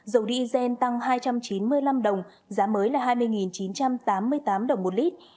dầu diesel tăng hai trăm chín mươi năm đồng giá mới là hai mươi chín trăm tám mươi tám đồng một lít